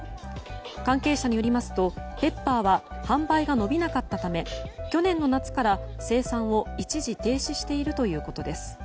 関係者によりますとＰｅｐｐｅｒは販売が伸びなかったため去年の夏から生産を一時停止しているということです。